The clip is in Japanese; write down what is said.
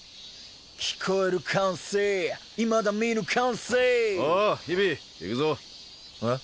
聞こえる歓声未だ見ぬ完成おう日比行くぞえっ